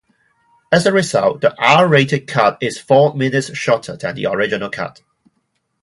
As a result, the R-rated cut is four minutes shorter than the original cut.